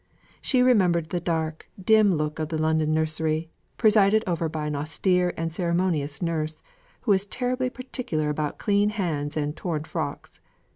She remembered the dark, dim look of the London nursery, presided over by an austere and ceremonious nurse, who was terribly particular about clean hands and torn frocks.